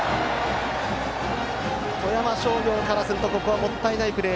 富山商業からするとここはもったいないプレー。